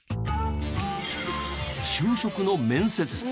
就職の面接。